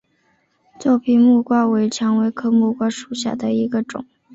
皱皮木瓜为蔷薇科木瓜属下的一个种。